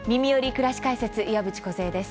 くらし解説」岩渕梢です。